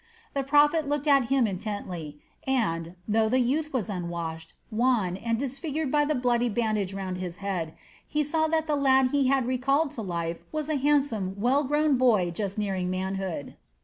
The prophet looked at him intently and, though the youth was unwashed, wan, and disfigured by the bloody bandage round his head, he saw that the lad he had recalled to life was a handsome, well grown boy just nearing manhood.